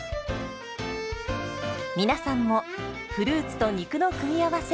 皆さんもフルーツと肉の組み合わせ